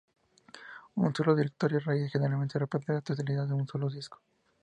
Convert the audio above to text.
Un solo directorio raíz generalmente representa la totalidad de un solo disco.